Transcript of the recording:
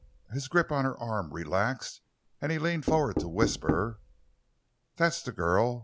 His grip on her arm relaxed and he leaned forward to whisper: "That's the girl.